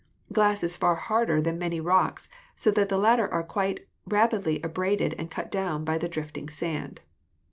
Glass is far harder than many rocks so that the latter are quite rapidly abraded and cut down by the drifting sand.